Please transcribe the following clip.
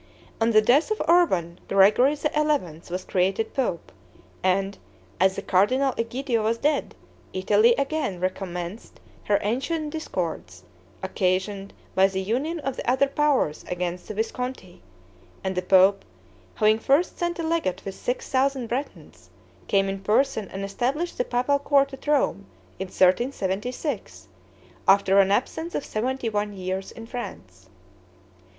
On the death of Urban, Gregory XI. was created pope; and, as the Cardinal Egidio was dead, Italy again recommenced her ancient discords, occasioned by the union of the other powers against the Visconti; and the pope, having first sent a legate with six thousand Bretons, came in person and established the papal court at Rome in 1376, after an absence of seventy one years in France.